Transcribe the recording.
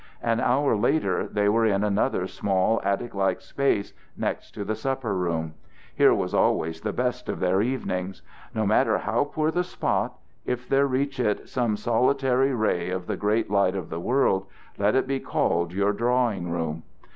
An hour later they were in another small attic like space next to the supper room. Here was always the best of their evening. No matter how poor the spot, if there reach it some solitary ray of the great light of the world, let it be called your drawing room.